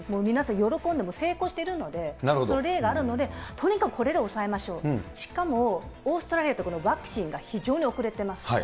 喜んで、成功してるので、その例があるので、とにかくこれで抑えましょう、しかも、オーストラリアってワクチンが非常に遅れてます。